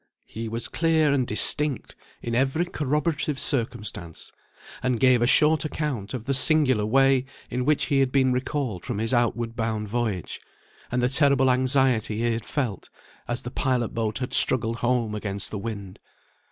He was clear and distinct in every corroborative circumstance, and gave a short account of the singular way in which he had been recalled from his outward bound voyage, and the terrible anxiety he had felt, as the pilot boat had struggled home against the wind.